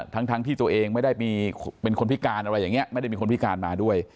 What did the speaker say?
ทั้งที่ตัวเองไม่ได้มีคนพิการมาด้วย